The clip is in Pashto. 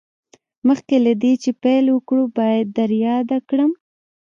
مخکې له دې چې پیل وکړو باید در یاده کړم